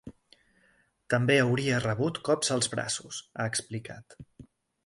També hauria rebut cops als braços, ha explicat.